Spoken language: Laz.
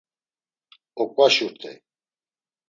Oǩvaşurt̆ey.